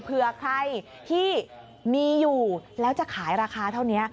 เผื่อใครที่มีอยู่แล้วจะขายราคาเท่านี้